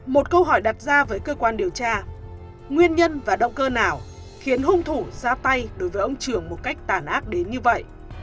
một câu hỏi đặt ra với cơ quan điều tra nguyên nhân và động cơ nào khiến hung thủ ra tay đối với ông trường một cách tàn ác đến như vậy